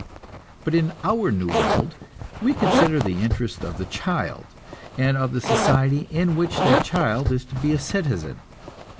But in our new world we consider the interest of the child, and of the society in which that child is to be a citizen.